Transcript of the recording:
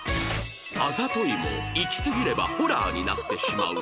「あざとい」も行きすぎればホラーになってしまうもの